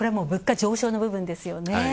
物価上昇の部分ですよね。